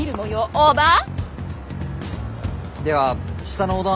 オーバー。